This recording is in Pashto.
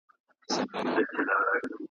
او ویډیوګاني خپرې سوې .